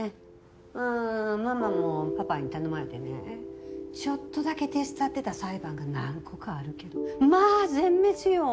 うんママもパパに頼まれてねちょっとだけ手伝ってた裁判が何個かあるけどまあ全滅よ。